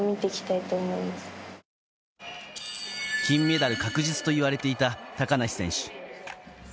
金メダル確実と言われていた高梨選手。